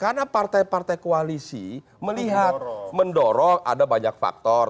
karena partai partai koalisi melihat mendorong ada banyak faktor